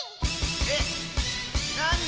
えっなに？